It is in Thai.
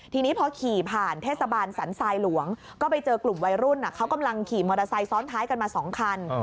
ทีนี้พอขี่ผ่านเทศบาลสันทรายหลวงก็ไปเจอกลุ่มวัยรุ่นเขากำลังขี่มอเตอร์ไซค์ซ้อนท้ายกันมา๒คัน